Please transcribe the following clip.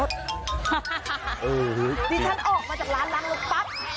นี่ฉันออกมาจากร้านล้างรถปั๊บ